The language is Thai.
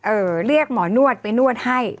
เรียกหมอนวดไปนวดให้